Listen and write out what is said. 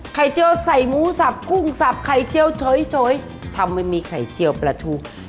เจียวใส่หมูสับกุ้งสับไข่เจียวเฉยทำให้มีไข่เจียวปลาชู